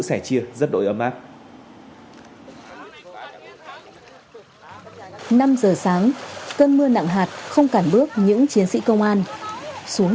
sẻ chia rất đội ấm áp năm giờ sáng cơn mưa nặng hạt không cản bước những chiến sĩ công an xuống